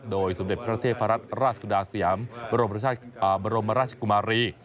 โดยสมเด็จพระเทพรัตนราชสุดาสยามบรมราชกุมารี